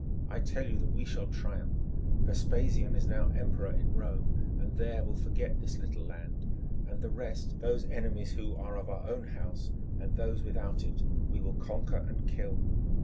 I tell you that we shall triumph. Vespasian is now Emperor in Rome, and there will forget this little land; and the rest, those enemies who are of our own house and those without it, we will conquer and kill.